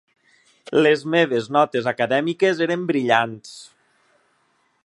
Les meves notes acadèmiques eren brillants.